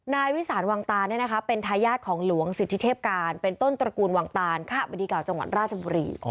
นายวิสานวังตานเป็นทายาทของหลวงสิทธิเทพการเป็นต้นตระกูลวังตานค่ะบดีเก่าจังหวัดราชบุรี